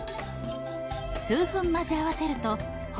数分混ぜ合わせるとほら。